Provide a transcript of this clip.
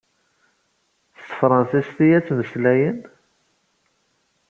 S tefṛansist i ad ttmeslayen?